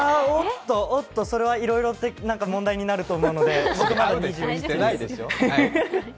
おっと、それはいろいろ問題になると思うので僕、まだ２２です。